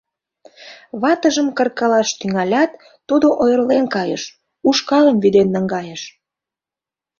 Ватыжым кыркалаш тӱҥалят, тудо ойырлен кайыш, ушкалым вӱден наҥгайыш.